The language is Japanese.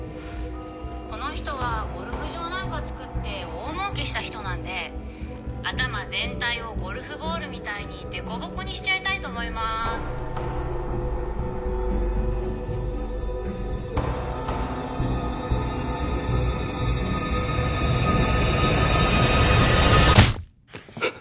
この人はゴルフ場なんかつくって大儲けした人なんで頭全体をゴルフボールみたいにデコボコにしちゃいたいと思いますはっ